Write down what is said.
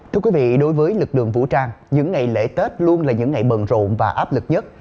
thưa quý vị đối với lực lượng vũ trang những ngày lễ tết luôn là những ngày bận rộn và áp lực nhất